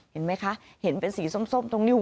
เห็นไหมคะเห็นเป็นสีส้มตรงนี้